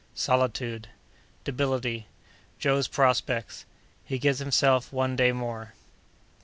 —Solitude.—Debility.—Joe's Prospects.—He gives himself One Day more.